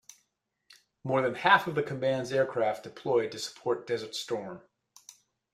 More than half of the command's aircraft deployed to support Desert Storm.